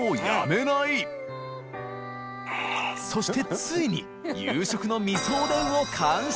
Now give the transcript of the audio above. ついに夕食の味噌おでんを完食！